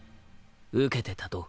受けて立とう。